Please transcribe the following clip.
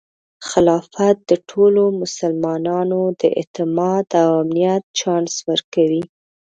خلافت د ټولو مسلمانانو د اعتماد او امنیت چانس ورکوي.